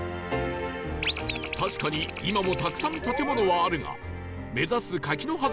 確かに今もたくさん建物はあるが目指す柿の葉